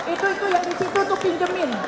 itu yang disitu itu pinjemin